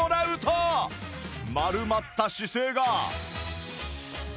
丸まった姿勢が